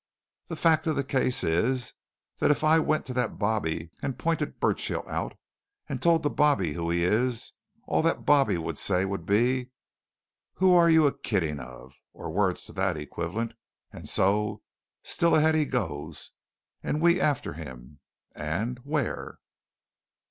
The fact of the case is that if I went to that bobby and pointed Burchill out, and told the bobby who he is, all that bobby would say would be, 'Who are you a kiddin' of?' or words to that equivalent. And so still ahead he goes, and we after him! And where?"